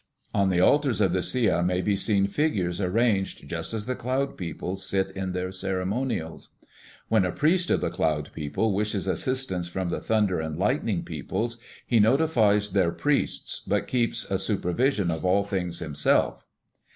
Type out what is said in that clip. On the altars of the Sia may be seen figures arranged just as the Cloud People sit in their ceremonials. When a priest of the Cloud People wishes assistance from the Thunder and Lightning Peoples, he notifies their priests, but keeps a supervision of all things himself.